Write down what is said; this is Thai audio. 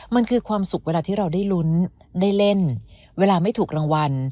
มันคือความสุขเวลาที่เราได้ลุ้นได้เล่นเวลาไม่ถูกรางวัล